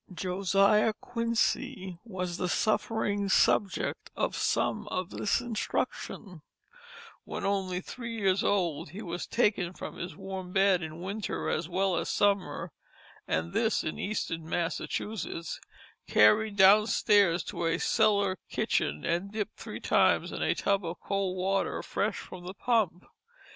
Josiah Quincy was the suffering subject of some of this instruction; when only three years old he was taken from his warm bed in winter as well as summer (and this in Eastern Massachusetts), carried downstairs to a cellar kitchen and dipped three times in a tub of cold water fresh from the pump.